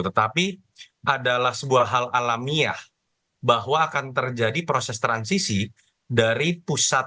tetapi adalah sebuah hal alamiah bahwa akan terjadi proses transisi dari pusat